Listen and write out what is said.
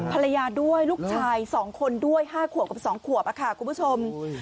ภรรยาด้วยลูกชาย๒คนด้วย๕ขวบกับ๒ขวบค่ะคุณผู้ชม